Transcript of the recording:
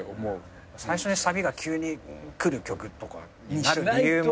最初にサビが急にくる曲とかになる理由も分かりますね。